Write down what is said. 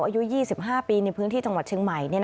อายุ๒๕ปีในพื้นที่จังหวัดเชียงใหม่